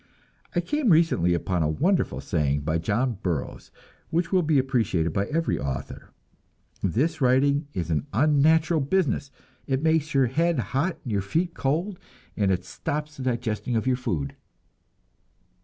I came recently upon a wonderful saying by John Burroughs, which will be appreciated by every author. "This writing is an unnatural business. It makes your head hot and your feet cold, and it stops the digesting of your food."